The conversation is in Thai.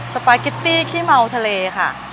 สปาเกตตี้ขี้เมาทะเลค่ะ